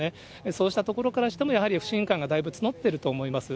そうしたところからしても、やはり不信感がだいぶ募ってると思います。